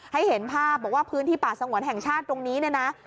เห็นภาพบอกว่าพื้นที่ป่าสงวนแห่งชาติตรงนี้เนี่ยนะ